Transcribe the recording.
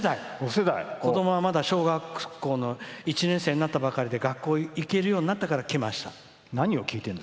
子どもはまだ小学校の１年生になったばかりで学校に行けるようになったから来ました。